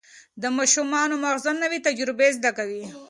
د ماشوم ماغزه نوي تجربې زده کوي.